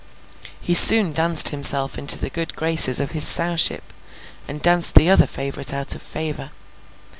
He soon danced himself into the good graces of his Sowship, and danced the other favourite out of favour.